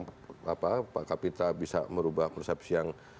tapi persepsi kemudian persepsi terus pak kapitra bisa merubah persepsi yang